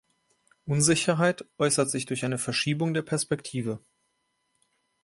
Unsicherheit äußert sich durch eine Verschiebung der Perspektive.